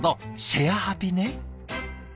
「シェア☆ハピ」ね！